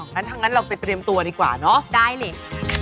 งั้นถ้างั้นเราไปเตรียมตัวดีกว่าเนอะได้เลย